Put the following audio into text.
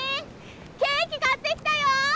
ケーキ買ってきたよ！